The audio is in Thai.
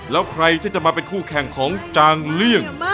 แล้วใครที่จะมาเป็นคู่แข่งของจางเลี่ยง